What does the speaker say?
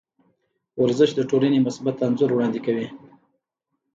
ورزش د ټولنې مثبت انځور وړاندې کوي.